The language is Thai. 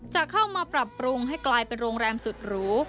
จะเข้ามาปรับปรุงให้กลายเป็นโรงแรมสุดหรู